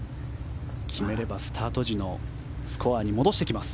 決めればスタート時のスコアに戻してきます。